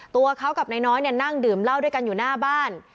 ตัวเขากับนายน้อยนั่งดื่มเหล้าด้วยกันอยู่หน้าบ้าน